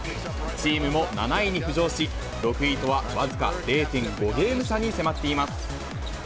チームも７位に浮上し、６位とは僅か０．５ゲーム差に迫っています。